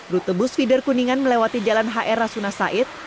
rute bus feeder kuningan melewati jalan hr rasuna said